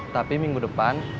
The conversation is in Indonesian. tapi minggu depan